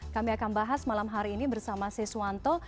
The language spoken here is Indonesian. kami akan bahas malam hari ini bersama siswanto